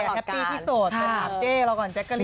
พี่ใส่แปปปี้ที่สดไปถามเจ๊เราก่อนแจ๊กลิล